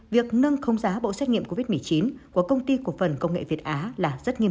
việc nâng không giá bộ xét nghiệm covid một mươi chín của công ty cổ phần công nghệ việt á là rất nghiêm